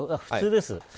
普通です。